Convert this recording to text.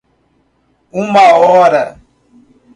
Uma hora.